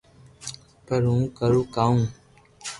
پر ھون ڪرو ڪاو